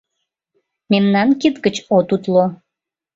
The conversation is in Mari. Мемнан кид гыч от утло.